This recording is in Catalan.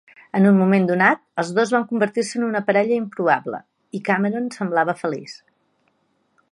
En un moment donat, els dos van convertir-se en una parella improbable, i Cameron sembla feliç.